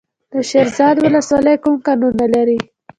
د شیرزاد ولسوالۍ کوم کانونه لري؟